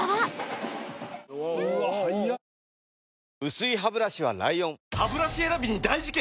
薄いハブラシは ＬＩＯＮハブラシ選びに大事件！